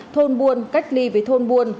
thôn buôn cách ly với thôn buôn